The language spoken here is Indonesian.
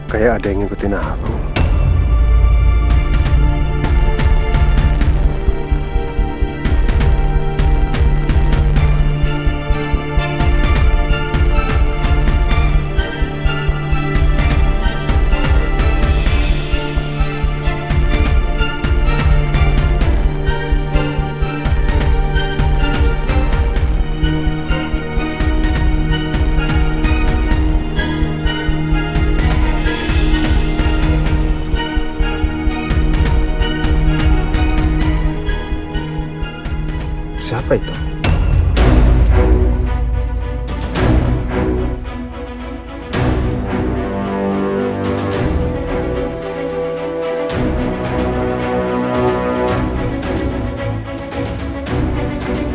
kalau dia potensial yang menurut lu